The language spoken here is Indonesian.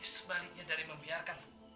sebaliknya dari membiarkan